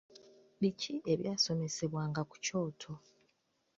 Biki ebyasomesebwanga ku kyoto?